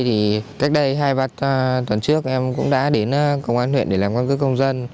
thì cách đây hai bát tuần trước em cũng đã đến công an huyện để làm quan cước công dân